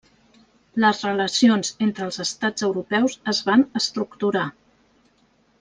Les relacions entre els estats europeus es van estructurar.